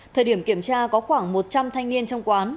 thời điểm kiểm tra có khoảng một trăm linh thanh niên trong quán